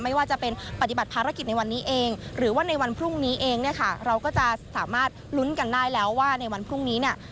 ไม่ว่าจะเป็นปฏิบัติภารกิจในวันนี้เองหรือว่าในวันพรุ่งนี้เองเนี่ยค่ะเราก็จะสามารถลุ้นกันได้แล้วว่าในวันพรุ่งนี้เนี่ย